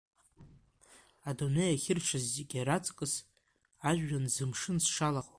Адунеи ахьыршаз зегь раҵкьыс, ажәҩан ӡымшын сшалахо.